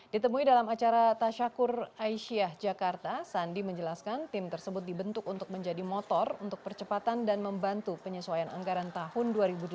ditemui dalam acara tasyakur aisyah jakarta sandi menjelaskan tim tersebut dibentuk untuk menjadi motor untuk percepatan dan membantu penyesuaian anggaran tahun dua ribu delapan belas